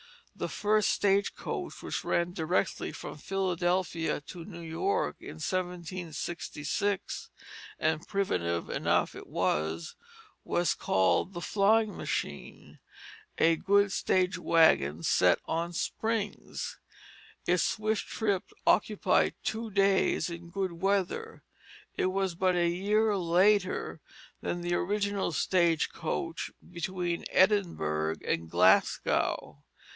The first stage coach which ran directly from Philadelphia to New York in 1766 and primitive enough it was was called "the flying machine, a good stage wagon set on springs." Its swift trip occupied two days in good weather. It was but a year later than the original stage coach between Edinburgh and Glasgow.